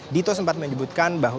adhito sempat menyebutkan bahwa